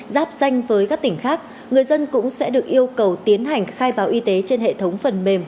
giáp danh với các tỉnh khác người dân cũng sẽ được yêu cầu tiến hành khai báo y tế trên hệ thống phần mềm